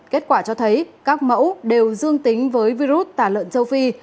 kết quả cho thấy các mẫu đều dương tính với virus tà lợn châu phi